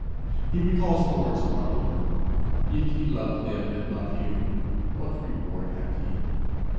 He recalls the words of our Lord, "If ye love them which love you, what reward have ye?"